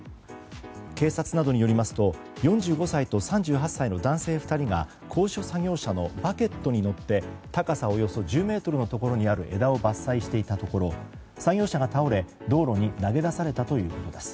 警察などによりますと４５歳と３８歳の男性２人が高所作業車のバケットに乗って高さおよそ１０ｍのところにある枝を伐採していたところ作業車が倒れ、道路に投げ出されたということです。